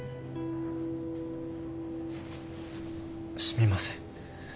すみません。